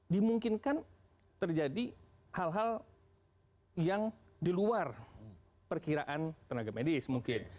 dimungkinkan terjadi hal hal yang di luar perkiraan tenaga medis mungkin